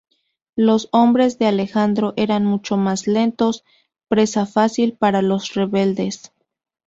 Los hombres de Alejandro eran mucho más lentos, presa fácil para los rebeldes.